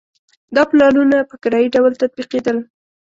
دا پلانونه په کرایي ډول تطبیقېدل.